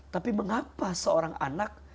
tapi mengapa seorang anak